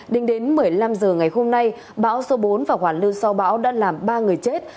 đình đến một mươi năm h ngày hôm nay bão số bốn và hoàn lương so bão đã làm ba người chết